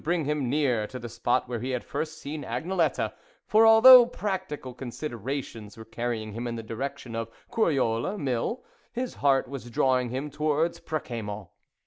... bring him near to the spot where he had first seen Agnelette, for, although practical considerations were carrying him in the direction of Croyolles Mill, his heart was drawing him towards Preciamont.